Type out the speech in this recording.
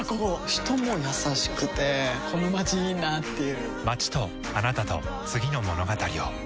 人も優しくてこのまちいいなぁっていう